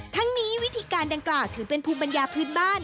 ทั้งนี้วิธีการดังกล่าวถือเป็นภูมิปัญญาพื้นบ้าน